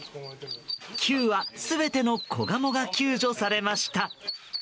９羽全ての子ガモが救助されました。